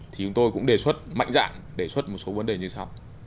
thì chúng tôi cũng đề xuất mạnh dạng đề xuất một số vấn đề như sau